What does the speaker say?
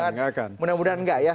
tapi mudah mudahan gak ya